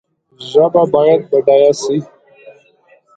ژبه باید بډایه سي